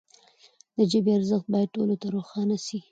د ژبي ارزښت باید ټولو ته روښانه سي.